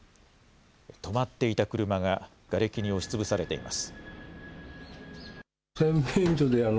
止まっていた車ががれきに押しつぶされています。